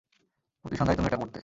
প্রতি সন্ধ্যায় তুমি এটা পরতে।